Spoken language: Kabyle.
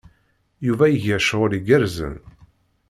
Yuba iga cɣel igerrzen.